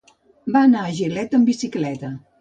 Va anar a Gilet amb bicicleta.